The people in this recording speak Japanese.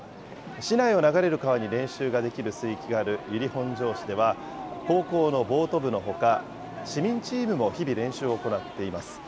市内を流れる川に練習ができる水域がある由利本荘市では、高校のボート部のほか、市民チームも日々練習を行っています。